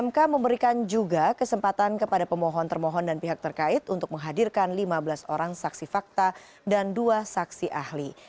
mk memberikan juga kesempatan kepada pemohon termohon dan pihak terkait untuk menghadirkan lima belas orang saksi fakta dan dua saksi ahli